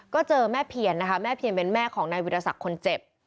ก็เจอแม่เพียรนะคะแม่เพียรเป็นแม่ของนายวิทยาศักดิ์คนเจ็บ